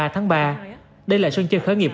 hai mươi ba tháng ba đây là sân chơi khởi nghiệp